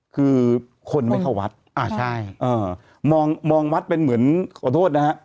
คือคนไม่เข้าวัดอ่าใช่เออมองมองวัดเป็นเหมือนขอโทษนะฮะ